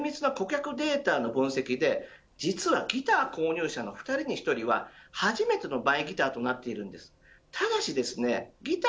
そのきっかけが綿密な顧客データの分析で実はギター購入者の２人に１人は初めてのマイギターとなっているんです。